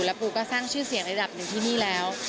แล้วปูก็สร้างชื่อเสียงระดับหนึ่งที่นี่แล้ว